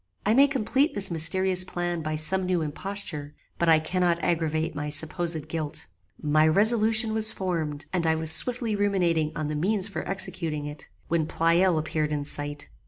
I may complete this mysterious plan by some new imposture, but I cannot aggravate my supposed guilt. "My resolution was formed, and I was swiftly ruminating on the means for executing it, when Pleyel appeared in sight.